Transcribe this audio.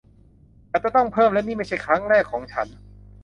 ฉันจะต้องเพิ่ม และนี่ไม่ใช่ครั้งแรกของฉัน